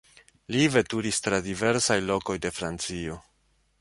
Li veturis tra diversaj lokoj de Francio.